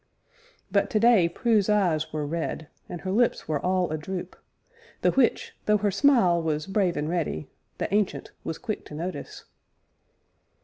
But today Prue's eyes were red, and her lips were all a droop, the which, though her smile was brave and ready, the Ancient was quick to notice.